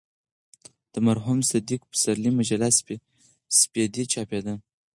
د مرحوم صدیق پسرلي مجله "سپېدې" چاپېده.